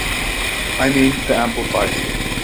I mean, the amplifier.